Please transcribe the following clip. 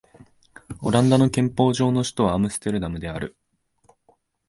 オランダの憲法上の首都はアムステルダムである